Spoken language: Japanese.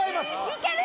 いける！